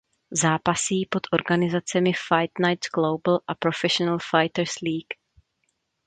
Zápasí pod organizacemi Fight Nights Global a Professional Fighters League.